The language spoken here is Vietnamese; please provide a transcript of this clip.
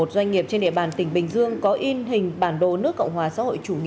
tạo niềm tin vững chắc